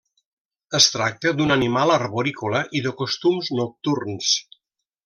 Es tracta d'un animal arborícola i de costums nocturns.